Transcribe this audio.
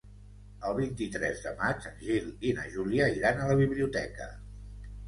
El vint-i-tres de maig en Gil i na Júlia iran a la biblioteca.